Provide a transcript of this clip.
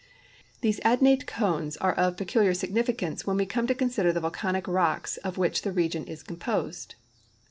These, adnate cones are of peculiar significance when we come to consider the volcanic rocks of wiiich the region is composed.